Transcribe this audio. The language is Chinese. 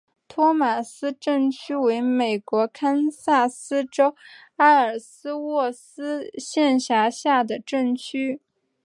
托马斯镇区为美国堪萨斯州埃尔斯沃思县辖下的镇区。